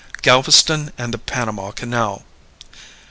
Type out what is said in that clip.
Galveston and the Panama Canal.